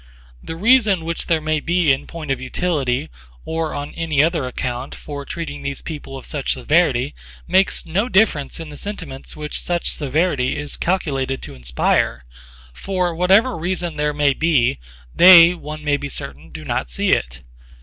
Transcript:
The reason which there may be in point of utility or on any other account for treating these people with such severity makes no difference in the sentiments which such severity is calculated to inspire; for whatever reason there may be, they, one may be certain, do not see it.